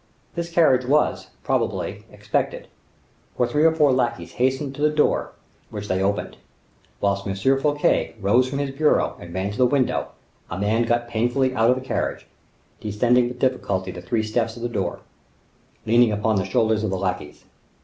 This carriage was, probably, expected; for three or four lackeys hastened to the door, which they opened. Whilst M. Fouquet rose from his bureau and ran to the window, a man got painfully out of the carriage, descending with difficulty the three steps of the door, leaning upon the shoulders of the lackeys.